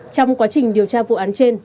trong quá trình điều tra vụ án trên